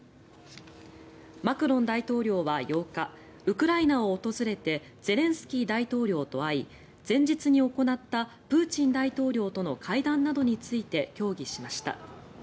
マクロン大統領は８日ウクライナを訪れてゼレンスキー大統領と会い前日に行ったプーチン大統領との会談などについて協議しました。